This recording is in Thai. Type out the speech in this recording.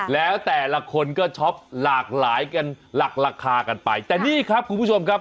แล้วแต่ละคนก็ช็อปหลากหลายกันหลักราคากันไปแต่นี่ครับคุณผู้ชมครับ